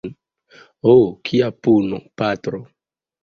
Ho, kia puno, patro!